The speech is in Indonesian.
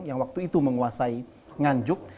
yang waktu itu menguasai nganjuk